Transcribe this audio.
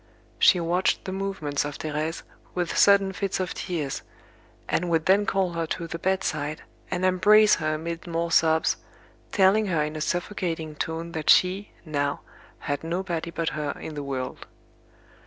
She watched the movements of Thérèse with sudden fits of tears; and would then call her to the bedside, and embrace her amid more sobs, telling her in a suffocating tone that she, now, had nobody but her in the world.